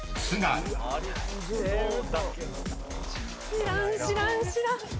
知らん知らん知らん。